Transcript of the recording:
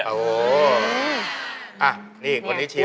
โอ้โฮนี่อ่ะนี่คนที่ชิม